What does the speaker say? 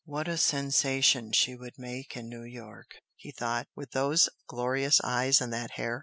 "What a sensation she would make in New York!" he thought "With those glorious eyes and that hair!"